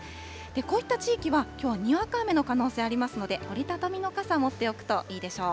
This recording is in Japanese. こういった地域は、きょうはにわか雨の可能性ありますので、折り畳みの傘、持っておくといいでしょう。